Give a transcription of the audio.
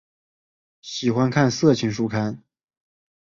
喜欢看色情书刊。